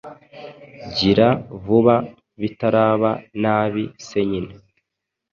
Gira vuba bitaraba nabi se nyine!